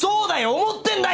思ってんだよ